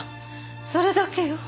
それだけよ。